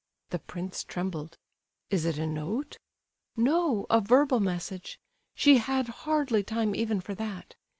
The prince trembled. "Is it a note?" "No, a verbal message; she had hardly time even for that.